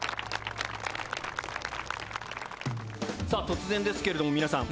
さあ突然ですけれども皆さん。